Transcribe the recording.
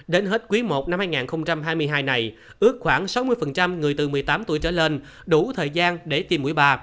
trong kết quý i năm hai nghìn hai mươi hai này ước khoảng sáu mươi người từ một mươi tám tuổi trở lên đủ thời gian để tiêm mũi ba